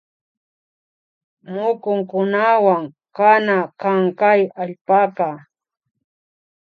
Mukunkunawan kana kan kay allpaka